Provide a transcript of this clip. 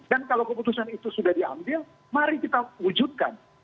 dan kalau keputusan itu sudah diambil mari kita wujudkan